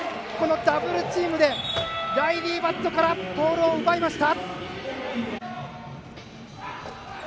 ダブルチームでライリー・バットからボールを奪いました！